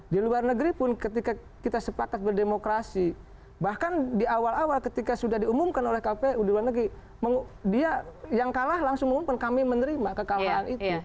di luar negeri pun ketika kita sepakat berdemokrasi bahkan di awal awal ketika sudah diumumkan oleh kpu di luar negeri dia yang kalah langsung mumpen kami menerima kekalahan itu